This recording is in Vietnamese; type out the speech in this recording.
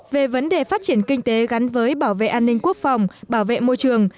về vấn đề phát triển kinh tế gắn với bảo vệ an ninh quốc phòng bảo vệ môi trường